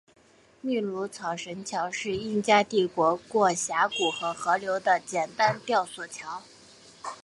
秘鲁草绳桥是印加帝国过峡谷和河流的简单吊索桥。